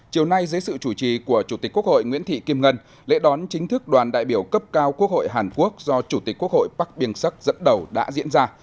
chiều nay dưới sự chủ trì của chủ tịch quốc hội nguyễn thị kim ngân lễ đón chính thức đoàn đại biểu cấp cao quốc hội hàn quốc do chủ tịch quốc hội bắc biên sắc dẫn đầu đã diễn ra